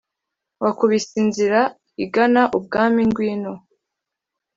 wakubise inzira igana ubwami ngwino